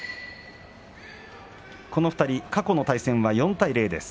この２人、この対戦は４対０です。